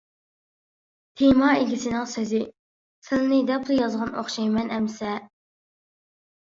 تېما ئىگىسىنىڭ سۆزى : سىلىنى دەپلا يازغان ئوخشايمەن ئەمىسە!